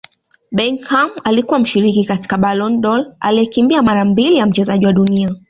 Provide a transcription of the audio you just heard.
Beckham alikuwa mshiriki katika Ballon dOr aliyekimbia mara mbili ya Mchezaji wa Dunia